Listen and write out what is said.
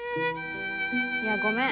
いやごめん